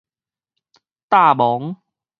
霧濛